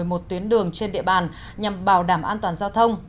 ở một mươi một tuyến đường trên địa bàn nhằm bảo đảm an toàn giao thông